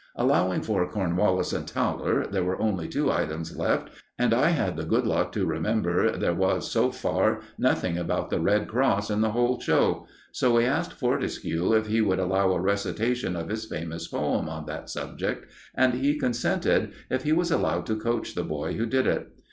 Allowing for Cornwallis and Towler, there were only two items left, and I had the good luck to remember there was, so far, nothing about the Red Cross in the whole show; so we asked Fortescue if he would allow a recitation of his famous poem on that subject, and he consented if he was allowed to coach the boy who did it.